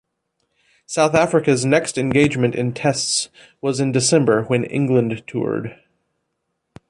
South Africa's next engagement in Tests was in December when England toured.